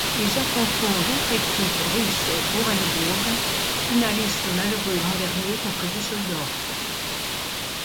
Il affronteront l'autre équipe russe Orenbourg, finaliste malheureux l'an dernier contre Dusseldorf.